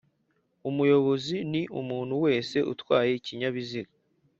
UmuyoboziNi umuntu wese utwaye ikinyabiziga